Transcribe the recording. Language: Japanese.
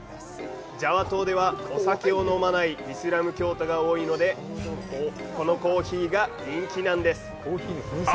ジャワ島ではお酒を飲まないイスラム教徒が多いのでこのコーヒーが人気なんです。